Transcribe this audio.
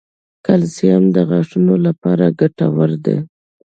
کلسیم د غاښونو لپاره ګټور دی